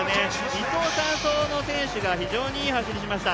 ２走、３走の選手が非常にいい走りをしました。